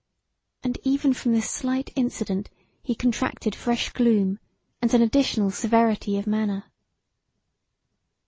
And even from this slight incident he contracted fresh gloom and an additional severity of manner.